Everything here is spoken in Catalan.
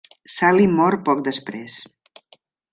Sally mor poc després.